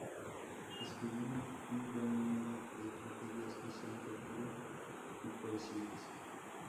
Escribió un gran número de tragedias, que se han perdido y poesías.